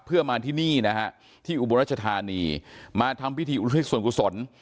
เพื่อมาที่นี่นะฮะที่อุบลรัชธานีมาทำพิธีอุทิศส่วนกุศล